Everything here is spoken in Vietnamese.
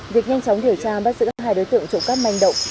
việc nhanh chóng điều tra bắt giữ hai đối tượng trụ cắt manh động